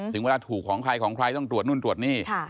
ถึงเวลาถูกของใครของใครต้องตรวจนู่นตรวจนี่